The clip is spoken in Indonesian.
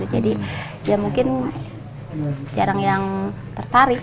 jadi ya mungkin jarang yang tertarik